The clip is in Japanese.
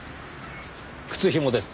靴ひもです。